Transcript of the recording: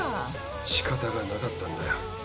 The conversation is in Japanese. しかたがなかったんだよ